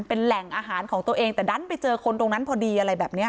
เป็นแหล่งอาหารของตัวเองแต่ดันไปเจอคนตรงนั้นพอดีอะไรแบบนี้